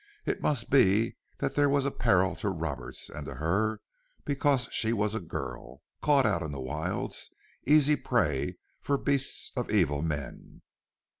It must be that there was peril to Roberts and to her because she was a girl, caught out in the wilds, easy prey for beasts of evil men.